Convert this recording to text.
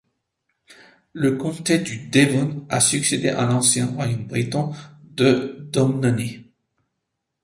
Le comté du Devon a succédé à l'ancien royaume britton de Domnonée.